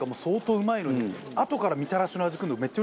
うまい！